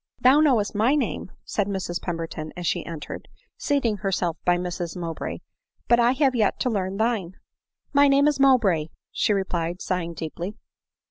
" Thou knowest my name," said Mrs Pemberton as she entered, seating herself by Mrs Mowbray, " but I have yet to learn thine." " My name is Mowbray," she replied, sighing deeply.